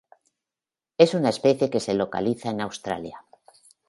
Es una especie que se localiza en Australia